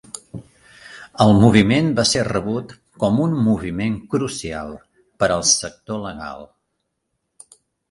El moviment va ser rebut com un "moviment crucial" per al sector legal.